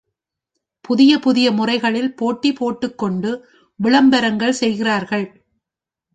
புதிய புதிய முறைகளில் போட்டி போட்டுக் கொண்டு விளம்பரங்கள் செய்கிறார்கள்.